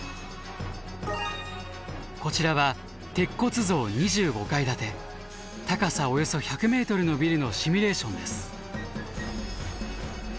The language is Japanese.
こちらは鉄骨造２５階建て高さおよそ１００ｍのビルのシミュレーションです。